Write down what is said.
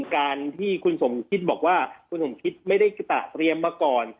การที่คุณสมคิดบอกว่าคุณสมคิดไม่ได้ตะเตรียมมาก่อน